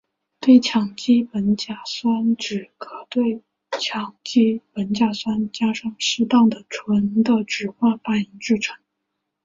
对羟基苯甲酸酯可由对羟基苯甲酸加上适当的醇的酯化反应制成。